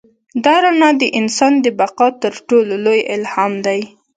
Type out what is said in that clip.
دا رڼا د انسان د بقا تر ټولو لوی الهام دی.